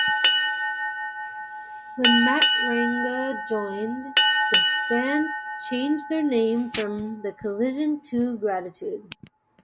When Matranga joined, the band changed their name from the Collision to Gratitude.